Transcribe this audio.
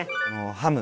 ハム。